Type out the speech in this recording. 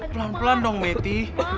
pelan pelan dong meti